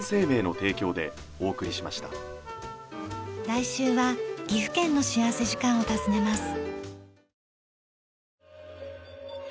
来週は岐阜県の幸福時間を訪ねます。